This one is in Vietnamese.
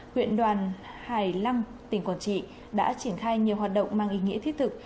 huyện đoàn hải lăng tỉnh quảng trị đã triển khai nhiều hoạt động mang ý nghĩa thiết thực